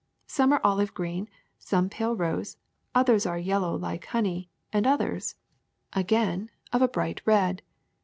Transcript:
Some are olive green, some pale rose ; others are yellow like honey, and others, 98 SOAP 99 again, of a bright red.